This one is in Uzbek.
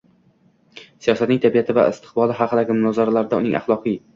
siyosatning tabiati va istiqboli haqidagi munozaralarda uning axloqiy